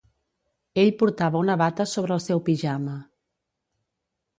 Ell portava una bata sobre el seu pijama.